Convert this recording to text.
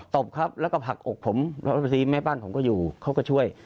ตบครับแล้วก็ผลักอกผมแล้วบางทีแม่บ้านผมก็อยู่เขาก็ช่วย